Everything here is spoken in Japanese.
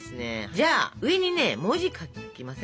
じゃあ上にね文字を書きません？